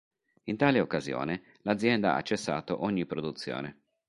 In tale occasione, l`azienda ha cessato ogni produzione.